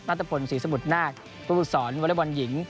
นัตรผลศรีสมุทรนาคประปุศรวรรยบรรยิง